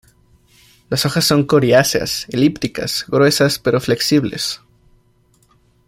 Las hojas son coriáceas, elípticas, gruesas pero flexibles.